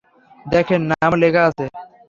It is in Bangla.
দেখেন, নামও লেখা আছে।